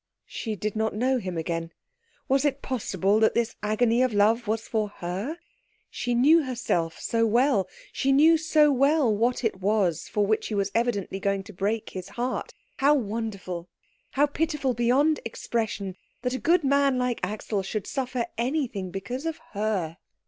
She did not know him again. Was it possible that this agony of love was for her? She knew herself so well, she knew so well what it was for which he was evidently going to break his heart. How wonderful, how pitiful beyond expression, that a good man like Axel should suffer anything because of her.